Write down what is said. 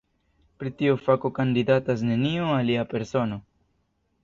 Pri tiu fako kandidatas neniu alia persono.